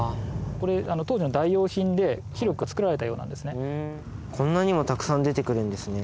これ、当時の代用品で、広く作られたようなんですね。